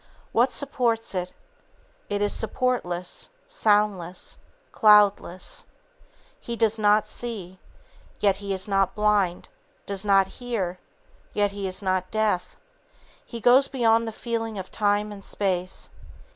What supports it? It is supportless, soundless, cloudless. He does not see. Yet he is not blind, does not hear, yet he is not deaf. He goes beyond the feeling of time and space.